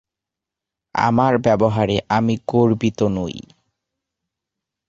আমার ব্যবহারে আমি গর্বিত নই।